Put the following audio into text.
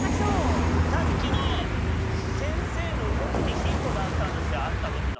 さっきの先生の動きにヒントがあったんです会った時の。